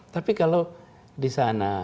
tapi kalau disana